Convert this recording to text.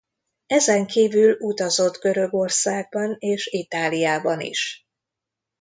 Ezenkívül utazott Görögországban és Itáliában is.